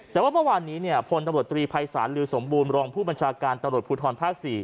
แต่ว่าเมื่อวานนี้พลตำรวจตรีภัยศาลลือสมบูรณรองผู้บัญชาการตำรวจภูทรภาค๔